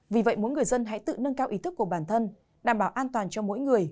vì vậy mỗi người dân hãy tự nâng cao ý thức của bản thân đảm bảo an toàn cho mỗi người